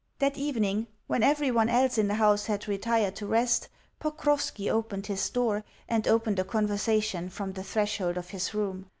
That evening, when everyone else in the house had retired to rest, Pokrovski opened his door, and opened a conversation from the threshold of his room.